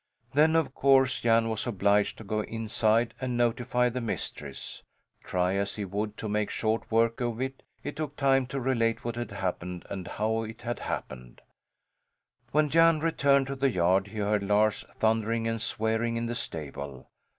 Then of course Jan was obliged to go inside and notify the mistress. Try as he would to make short work of it, it took time to relate what had happened and how it had happened. When Jan returned to the yard he heard Lars thundering and swearing in the stable.